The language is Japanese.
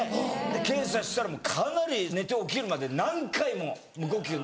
検査したらかなり寝て起きるまで何回も無呼吸に。